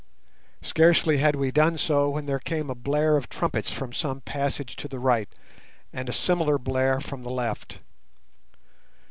Scarcely had we done so when there came a blare of trumpets from some passage to the right, and a similar blare from the left.